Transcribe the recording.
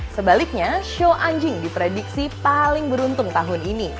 sebaliknya show anjing diprediksi paling beruntung tahun ini